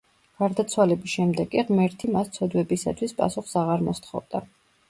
გარდაცვალების შემდეგ კი ღმერთი მას ცოდვებისათვის პასუხს აღარ მოსთხოვდა.